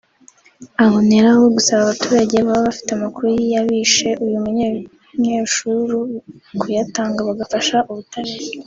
aboneraho gusaba abaturage baba bafite amakuru y’abishe uyu munyeshuru kuyatanga bagafasha ubutabera